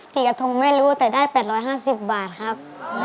กี่กระทงไม่รู้แต่ได้แปดร้อยห้าสิบบาทครับ